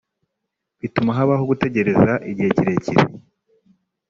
bituma habaho gutegereza igihe kirekire